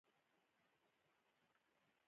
ده په دغه دوه ګزي وطاق ډېرې سړې تودې ولیدې.